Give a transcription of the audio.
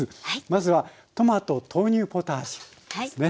まずはトマト豆乳ポタージュですね。